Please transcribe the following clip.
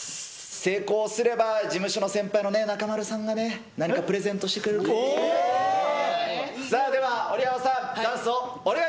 成功すれば、事務所の先輩の中丸さんがね、何かプレゼントしてくれるかもしれない。